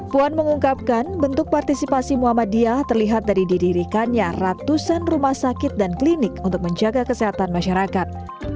puan mengungkapkan bentuk partisipasi muhammadiyah terlihat dari didirikannya ratusan rumah sakit dan klinik untuk menjaga kesehatan masyarakat